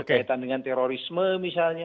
berkaitan dengan terorisme misalnya